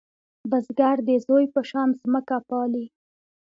بزګر د زوی په شان ځمکه پالې